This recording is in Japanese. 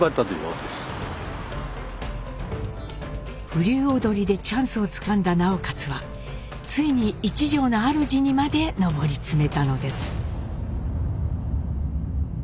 風流踊りでチャンスをつかんだ直勝はついに一城の主にまで上り詰めたのです。